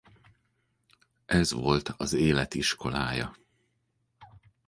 Ez volt az élet iskolája.